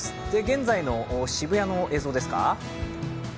現在の渋谷の映像ですか。